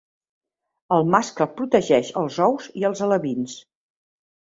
El mascle protegeix els ous i els alevins.